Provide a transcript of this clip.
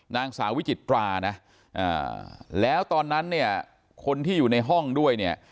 นางสาววิจิตรานะแล้วตอนนั้นเนี่ยคนที่อยู่ในห้องด้วยเนี่ย